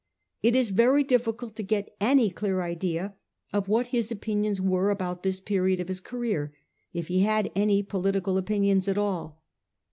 It is very difficult to get any clear idea of what his opinions were about this period of his career, if he had any political opinions at all.